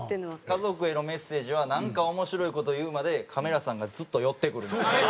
家族へのメッセージはなんか面白い事言うまでカメラさんがずっと寄ってくるんですよ。